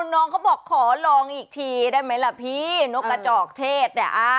น้องเขาบอกขอลองอีกทีได้ไหมล่ะพี่นกกระจอกเทศเนี่ย